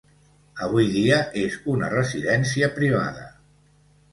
Avui dia és una residència privada.